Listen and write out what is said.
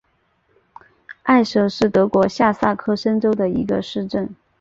埃舍是德国下萨克森州的一个市镇。